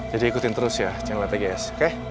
jadi ikutin terus ya cengleta gs oke